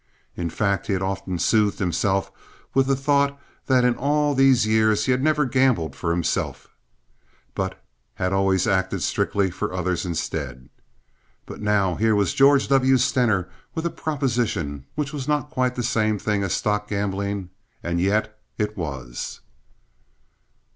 In fact he often soothed himself with the thought that in all these years he had never gambled for himself, but had always acted strictly for others instead. But now here was George W. Stener with a proposition which was not quite the same thing as stock gambling, and yet it was.